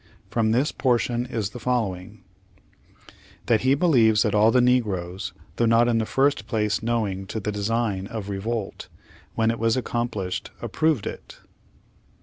From this portion is the following_;] —That he believes that all the negroes, though not in the first place knowing to the design of revolt, when it was accomplished, approved it.